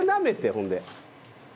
ほんで」